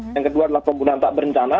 yang kedua adalah pembunuhan tak berencana